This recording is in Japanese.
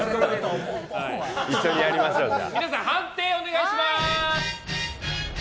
皆さん、判定お願いします！